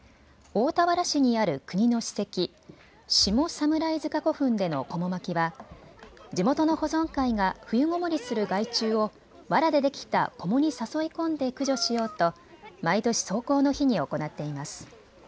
大田原市にある国の史跡、下侍塚古墳でのこも巻きは地元の保存会が冬ごもりする害虫をわらでできたこもに誘い込んで駆除しようと毎年、霜降の日に行っています。